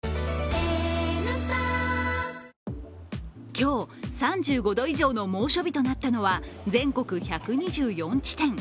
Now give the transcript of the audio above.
今日、３５度以上の猛暑日となったのは全国１２４地点。